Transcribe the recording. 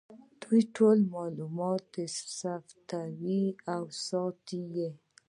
دوی دا ټول معلومات ثبتوي او ساتي یې